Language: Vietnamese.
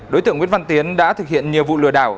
đối tượng nguyễn văn tiến đã thực hiện nhiều vụ lừa đảo